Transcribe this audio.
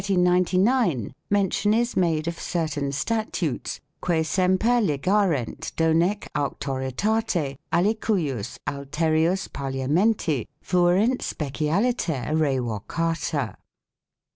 5 In 1399 mention is made of certain statutes "que semper ligarent donee auctoritate alicujus alterius Parliamenti fuerint specialiter revocata."